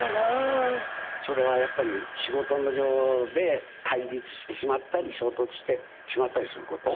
それはやっぱり仕事上で対立してしまったり衝突してしまったりすること？